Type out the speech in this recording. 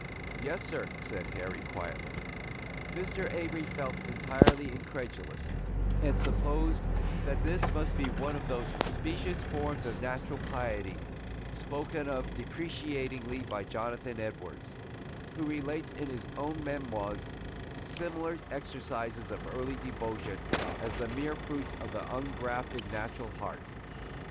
"Yes, sir," said Harry, quietly. Mr. Avery felt entirely incredulous, and supposed that this must be one of those specious forms of natural piety spoken of depreciatingly by Jonathan Edwards, who relates in his own memoirs similar exercises of early devotion as the mere fruits of the ungrafted natural heart.